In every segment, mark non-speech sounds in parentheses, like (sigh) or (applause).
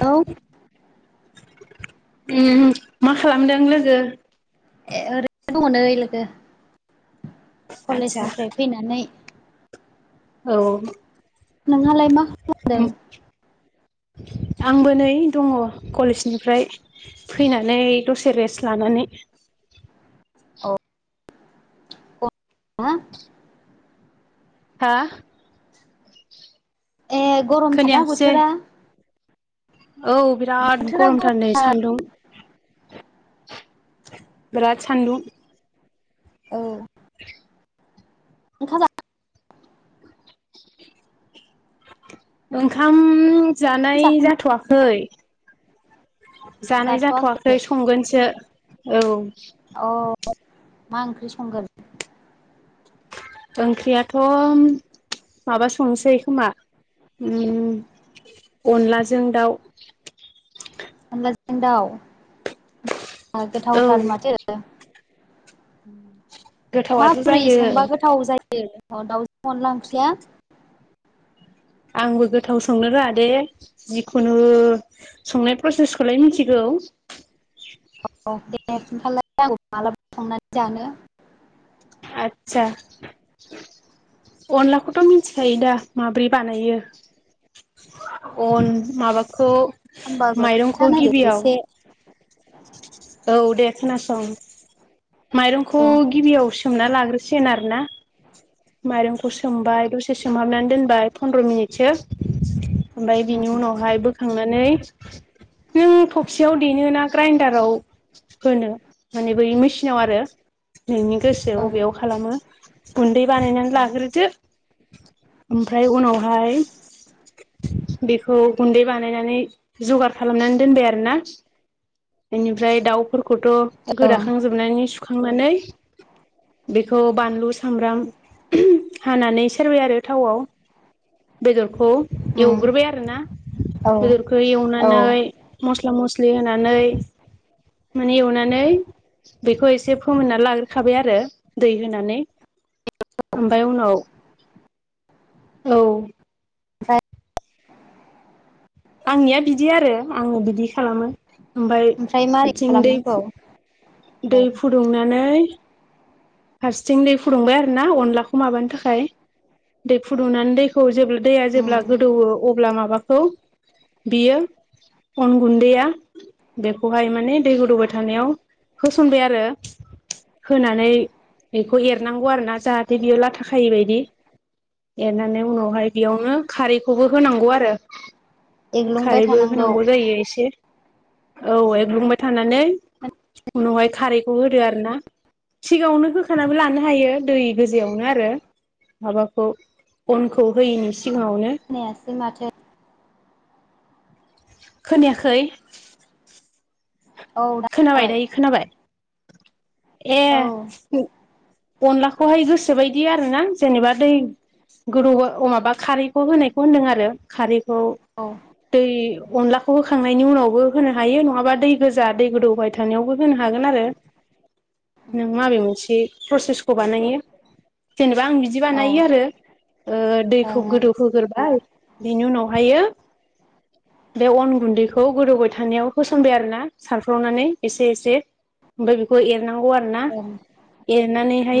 औ ओम मा खालामदों लोगो? ए ओरैनो दङ' नै लोगो आदसा कलेजनिफ्राय फैनानै औ नोंहालाय मा खालामदों? (inaudible) आंबो नै दङ' कलेजनिफ्राय फैनानै दसे रेस्ट लानानै। (inaudible) औ। हा हा? ए गरमथारना खोनायाखिसै बोथोरा? औ बिराद बोथोरा गरम गरमथार नै सान्दुं बिराद सान्दुं औ। (inaudible) ओंखाम जा। ओंखाम जानाय जाखांबाय जाथ'वाखै। जानाय जाथ'वाखै संगोनसो औ। औ मा ओंख्रि संगोन। ओंख्रियाथ' माबा संनोसै खोमा। अनलाजों दाउ दाव औ गोथावथार माथो। गोथावाथ' माबोरै जायो संबा गोथाव जायो दाउजों अनला ओंख्रिया। आंबो गोथाव संनो रोङा दे जिखुनु संनाय प्रसेसखौलाय मिथिगौ। औ। औ दे बिदिबालाय आं मालाबा संनानै जानो। आतसा अनलाखौथ' मिथिखायो दा माब्रै बानायो अन माबाखौ होमबाबो माइरंखौ खिन्थानायदो गिबियाव। एसे औ दे खोनासं माइरंखौ औ गिबियाव सोमना लाग्रो। सिनार ना माइरंखौ सोमबाय दसे सोमहाबनानै दोनबाय फन्द्र मिनिटसो। ओमफ्राय बिनि उनावहाय बोखांनानै नों थबसेयाव ना ग्राइन्दाराव होनो माने बै मेसिनाव आरो। नोंनि गोसो औ बबेयाव खालामो गुन्दै बानायनानै लाग्रोदो। ओमफ्राय उनावहाय बेखौ गुन्दै बानायनानै जगार खालामनानै दोनबाय आरोना। बेनिफ्राय दाउ खौथ' गोराखांजोबनानै सुखांनानै बेखौ बानलु सामब्राम हानानै सोरबाय आरो थावआव। बेदरखौ एवग्रोबाय आरोना औ बेदरखौ औ एवनानै। ओमफ्राय मस्ला मस्लि होनानै। माने एवनानै बेखौ एसे फोमोनना लाग्रोखाबाय आरो दै होनानै। ओमफ्राय उनाव औ। आंनिया बिदि आरो आङो बिदि खालामो। ओमफ्राय मारै बिथिं दै खालामनांगौ औ दै फुदुंनानै। हारसेथिं दै फुदुंबाय आरो ना अनलाखौ माबानो थाखाय दै फुदुंनानै दै। खौ जे दैया जेब्ला उम गोदौवो अब्ला माबाखौ बियो। अन गुन्दैया बेखौहाय माने दै गोदौबाय थानायाव। होसनबाय आरो होनानै बेखौ एरनांगौ आरोना जाहाथे बेयाव लाथ खायै बायदि एरनानै उनाव। बेयावनो खारैखौबो होनांगौ आरो एग्लुंबाय खारैबो थानांगौ होनांगौ जायो एसे। औ एग्लुंबाय थानानै उनावहाय खारैखौ होदो आरो ना सिगाङावनो होखानाबो लानो हायो दै गोजायावनो आरो माबाखौ अनखौ होयैनि सिगाङावनो बे माथो खोनायाखै औ दा खोनाबाय जाबाय दे खोनाबाय ए औ अनलाखौहाय गोसोबायदि आरो ना जेनेबा दै गदुं माबा खारैखौ होनायखौ होनदों आरो खारैखौ औ बे दै अनलाखौ होखांनायनि उनावबो होनो हायो नङाबा दै गोजा दै गोदौ बाय थानायावबो होनो हागोन आरो नों माबे मोनसे प्रसेसखौ बानायो जेनेबा आं बिदि औ बानायो आरो ओ दैखौ ओं गोदौ होग्रोरोबाय बिनि उनावहायो बे अन गुनदैखौ गोदौबाय थानायाव होसनबाय आरोना सारफ्रावलानानै एसे एसे ओमफ्राय बेखौ एर नांगौ आरोना ओं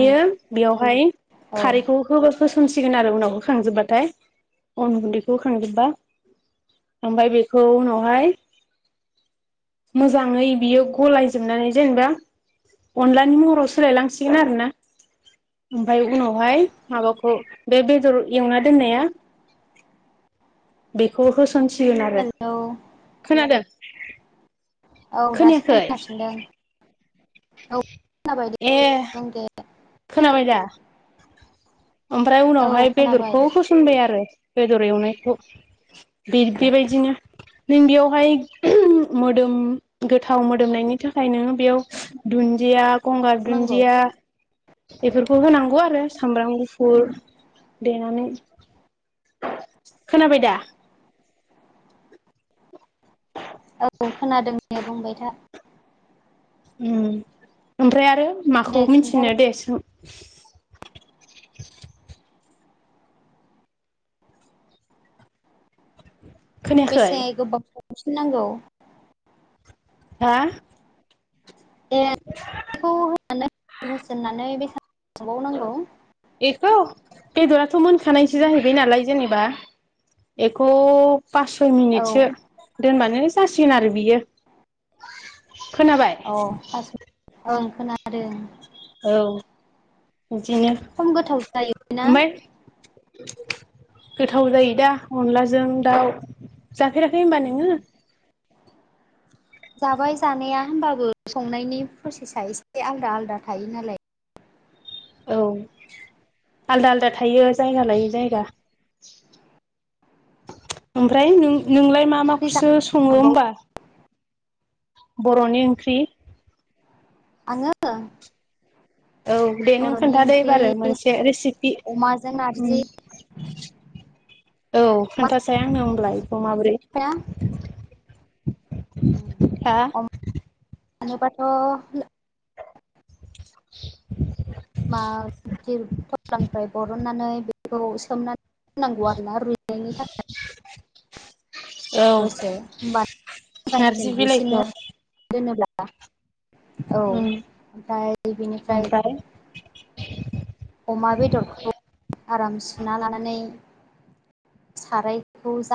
उम बेयावहाय औ खारैखौ हो होसनसिगोन आरो उनावखौ खांजोबबाथाय अन गुनदैखौ होखां खांजोबबा ओमफ्राय बेखौ उनावहाय मोजाङै बियो गलायजोबनानै जेनेबा अनलानि महराव सोलायलांसिगोन आरोना ओमफ्राय उनावहाय माबाखौ बे बेदर एवना दोननाया बेखौ होसनसिगोन आरो हेलौ खोनादों औ दासो खोनायाखै ए खोनाफिनदों औ खोनाबाय दे ए बुं दे खोनाबायदा? ओमफ्राय औ उनावहाय खोनाबाय बेदरखौ होसनबाय आरो बेदर एवनायखौ बे बेबायदिनो नों बेयावहाय मोदोम गोथाव मोदोमनायनि थाखाय नोङो बेयाव दुनदिया गंगार बुंनांगौ दुनदिया बेफोरखौ होनांगौ आरो सामब्राम गुफुर देनानै खोनाबाय दा? औ खोनादों दे बुंबाय था ओम ओमफ्राय आरो दे माखौ मिथिनो खिन्थाबाय दे सों? (inaudible) खोनायाखै बेसे गोबाव संफिन नांगौ हा ए होन (unintelligible) होसोननानै बेसां बेखौ बेदराथ' मोनखानायसो उम जाहैबाय नालाय जेनेबा एखौ पास सय औ मिनिटसो दोनबानो जासिगोन आरो बियो खोनाबाय औ पास ओं खोनादों औ बिदिनो खम गोथाव जायो ना ओमफ्राय गोथाव जायो दा अनलाजों दाउ जाफेराखै होनबा नोङो? जाबाय जानाया होमबाबो संनायनि प्रसेसा एसे आलदा आलादा थायो नालाय औ आलदा आलदा थायो जायगा लायै जायगा ओमफ्राय नों नोंलाय मा ओंख्रि जा माखौसो सङो मोनबावो होनबा बर'नि ओंख्रि आङो औ दे नों बर'नि खोनथादो ओंख्रि एबारो मोनसे रेसिपि अमाजों ओम नारजि औ अमा खोनथासै आंनो होनोमलाय बेखौ माब्रै जाया हा सङोबाथ' (inaudible) मा थफ्लानिफ्राय बरननानै बेखौ सोमनानै होनांगौ आरोना रुइनायनि थाखाय औ दसे होनोमबा मोजांसिन नारजि रूइसिनो बिलाइखौ दोनोब्ला औ ओमफाय बिनिफ्राय ओमफ्राय अमा बेदरखौ आराम सुना लानानै सारायखौ जा